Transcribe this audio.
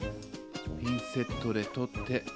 ピンセットで取って。